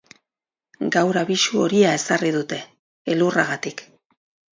Gaur abisu horia ezarri dute, elurragatik.